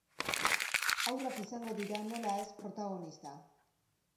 Haurrak izango dira, nola ez, protagonista.